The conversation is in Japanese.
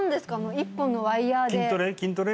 １本のワイヤーで筋トレ？